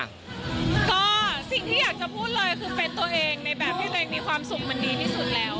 ก็สิ่งที่อยากจะพูดเลยคือเป็นตัวเองในแบบที่ตัวเองมีความสุขมันดีที่สุดแล้ว